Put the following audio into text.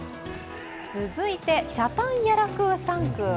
続いてチャタンヤラクーサンクー。